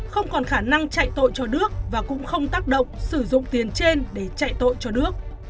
không còn khả năng chạy tội cho đức và cũng không tác động sử dụng tiền trên để chạy tội cho đước